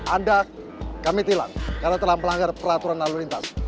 anda kami tilang karena telah melanggar peraturan lalu lintas